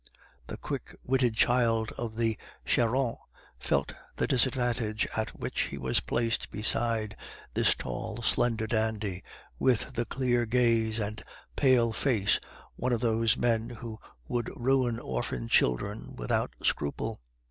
The quick witted child of the Charente felt the disadvantage at which he was placed beside this tall, slender dandy, with the clear gaze and the pale face, one of those men who would ruin orphan children without scruple.